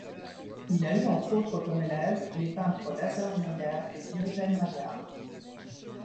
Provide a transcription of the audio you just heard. Il a eu entre autres comme élèves les peintres Lazar Meyer et Diogène Maillart.